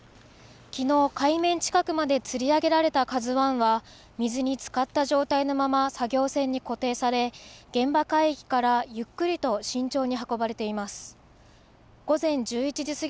きのう海面近くまでつり上げられたＫＡＺＵＩは水につかった状態のまま作業船に固定され現場海域からゆっくりと慎重に運ばれています。